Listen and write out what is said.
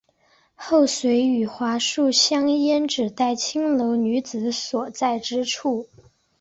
后遂以桦树香烟指代青楼女子所在之处。